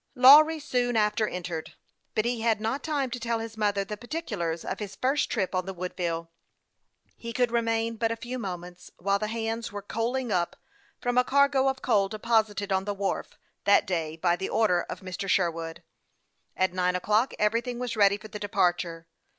Lawry soon after entered ; but he had not x time to tell his mother the particulars of his first trip on the Woodville. He could remain but a few moments, while the hands were " coaling up," from a cargo of coal deposited on the wharf that day, by the order of Mr. Sherwood. At nine o'clock everything was ready for the de parture.